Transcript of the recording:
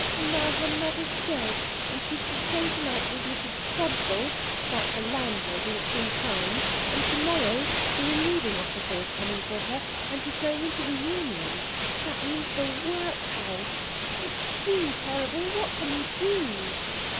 And now her mother's dead, and she's to stay tonight with Mrs Shrobsall—that's a landlady that's been kind—and tomorrow the Relieving Officer is coming for her, and she's going into the Union; that means the Workhouse. It's too terrible. What can we do?"